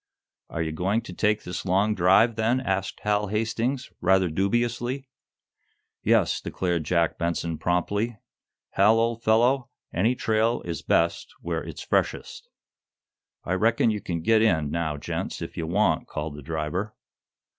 "Are you going to take this long drive, then?" asked Hal Hastings, rather dubiously. "Yes," declared Jack Benson, promptly. "Hal, old fellow, any trail is best where it's freshest." "I reckon you can git in, now, gents, if ye want," called the driver.